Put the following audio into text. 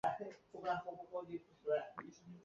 以下各型号请分别参见其主题条目。